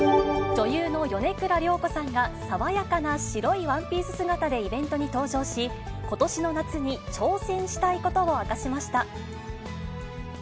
女優の米倉涼子さんが、爽やかな白いワンピース姿でイベントに登場し、ことしの夏に挑戦したいことを明かしました。